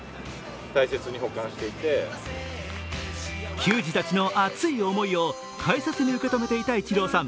球児たちの熱い思いを大切に受け止めていたイチローさん。